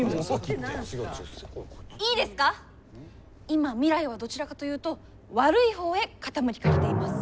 今未来はどちらかというと悪い方へ傾きかけています。